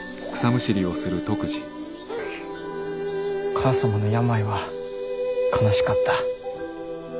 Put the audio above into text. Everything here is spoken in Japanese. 母さまの病は悲しかった。